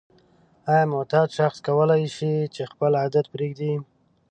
آیا معتاد شخص کولای شي چې خپل عادت پریږدي؟